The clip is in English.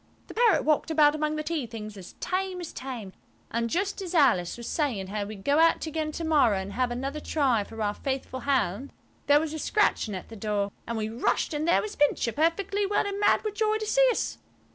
The parrot walked about among the tea things as tame as tame. And just as Alice was saying how we'd go out again to morrow and have another try for our faithful hound there was a scratching at the door, and we rushed–and there was Pincher, perfectly well and mad with joy to see us.